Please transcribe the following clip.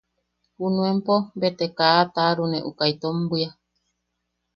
Junuenpo bee te kaa a taʼarune uka itom bwia.